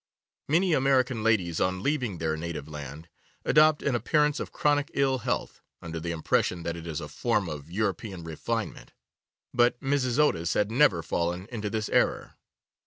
Many American ladies on leaving their native land adopt an appearance of chronic ill health, under the impression that it is a form of European refinement, but Mrs. Otis had never fallen into this error.